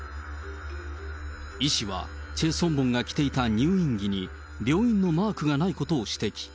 イ氏は、チェ・ソンボンが着ていた入院着に、病院のマークがないことを指摘。